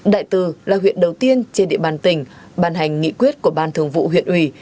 đại từ là huyện đầu tiên trên địa bàn tỉnh ban hành nghị quyết của ban thường vụ huyện ủy